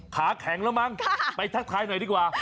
ขาแข็งแล้วมั้งไปทักทายหน่อยดีกว่า